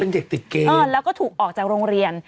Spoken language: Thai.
เป็นเด็กติดเกมแล้วก็ถูกออกจากโรงเรียน